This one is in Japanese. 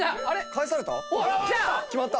返された？